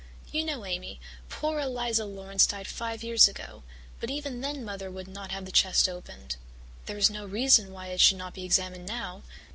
You know, Amy, poor Eliza Laurance died five years ago, but even then Mother would not have the chest opened. There is no reason why it should not be examined now.